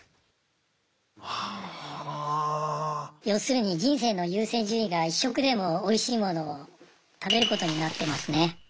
要するに人生の優先順位が１食でもおいしいものを食べることになってますね。